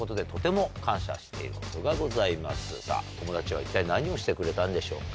さぁ友達は一体何をしてくれたんでしょうか？